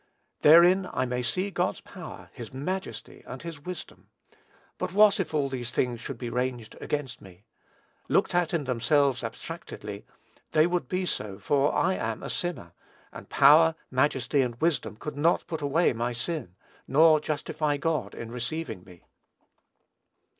Therein I may see God's power, his majesty, and his wisdom: but what if all these things should be ranged against me? Looked at in themselves abstractedly, they would be so, for I am a sinner; and power, majesty, and wisdom, could not put away my sin, nor justify God in receiving me.